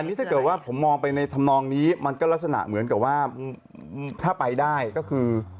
นี่ถ้าเกิดว่าผมมองไปในธรรมนองนี้มันก็ลักษณะเหมือนกับว่าถ้าไปได้ก็คือ